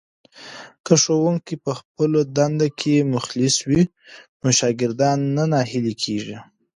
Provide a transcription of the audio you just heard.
که ښوونکی په خپله دنده کې مخلص وي نو شاګردان نه ناهیلي کېږي.